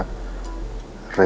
rena putri alvahri